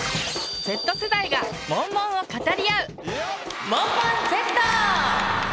Ｚ世代がモンモンを語り合う「モンモンＺ」！